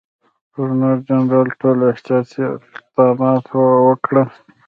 ګورنرجنرال ټول احتیاطي اقدامات وکړل.